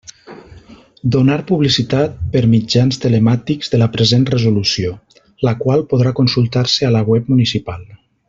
Donar publicitat per mitjans telemàtics de la present resolució, la qual podrà consultar-se a la web municipal.